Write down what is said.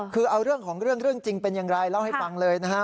คือเอาเรื่องของเรื่องเรื่องจริงเป็นอย่างไรเล่าให้ฟังเลยนะฮะ